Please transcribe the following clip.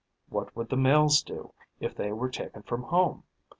What would the males do if they were taken from home?